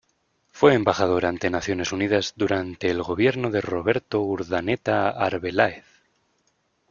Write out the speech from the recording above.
Fue embajador ante Naciones Unidas durante el gobierno de Roberto Urdaneta Arbeláez.